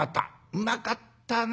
うまかったね。